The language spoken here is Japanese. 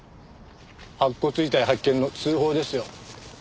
白骨遺体発見の通報ですよ。